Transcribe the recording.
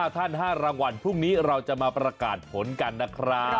ท่าน๕รางวัลพรุ่งนี้เราจะมาประกาศผลกันนะครับ